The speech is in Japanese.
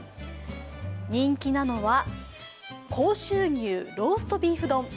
人気なのは、甲州牛ローストビーフ丼。